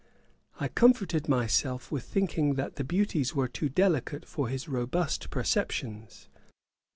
I comforted myself with thinking that the beauties were too delicate for his robust perceptions.